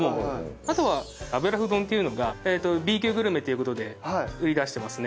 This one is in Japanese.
あとは油麩丼というのがＢ級グルメという事で売り出していますね。